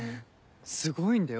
すごいんだよ